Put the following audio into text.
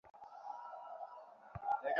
তাহলে, কেউ কি কিছুই করবে না?